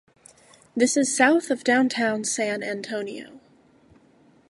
This is south of downtown San Antonio.